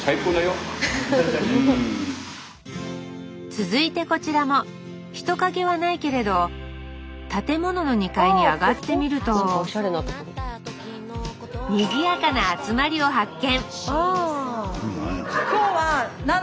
続いてこちらも人影はないけれど建物の２階に上がってみるとにぎやかな集まりを発見！